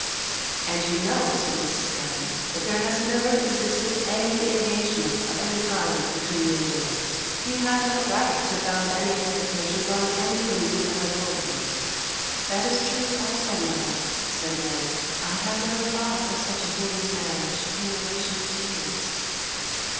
'And you know,' said Mrs. Scudder, 'that there has never existed any engagement of any kind between you and James. He had no right to found any expectations on anything you ever told him.' 'That is true also, mother,' said Mary; 'I had never thought of such a thing as marriage in relation to James.